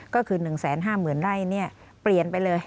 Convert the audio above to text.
ก็คือ๑๕๐๐๐ไร่เปลี่ยนไปเลย